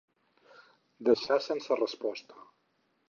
Deixar sense resposta.